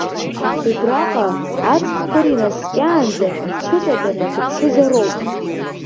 Убраҟа, аҵх кыр инаскьаанӡа, шәцәыҵатәаны шәыԥшызароуп…